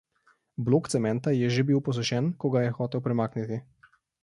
Blok cementa je že bil posušen, ko ga je hotel premakniti.